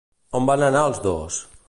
On van anar els dos?